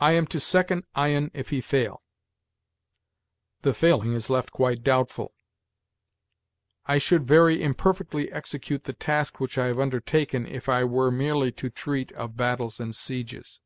"'I am to second Ion if he fail'; the failing is left quite doubtful. 'I should very imperfectly execute the task which I have undertaken if I were merely to treat of battles and sieges.'